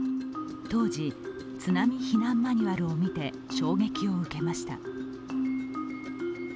当時、津波避難マニュアルを見て衝撃を受けました。